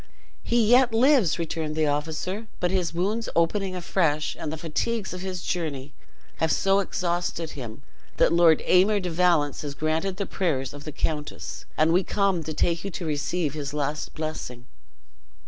"He yet lives," returned the officer; "but his wounds opening afresh, and the fatigues of his journey, have so exhausted him that Lord Aymer de Valence has granted the prayers of the countess, and we come to take you to receive his last blessing."